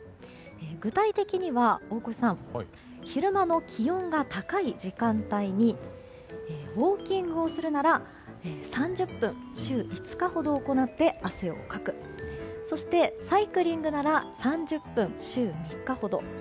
具体的には、大越さん昼間の気温が高い時間帯にウォーキングをするなら３０分週５日ほど行って汗をかくそして、サイクリングなら３０分、週３日ほど。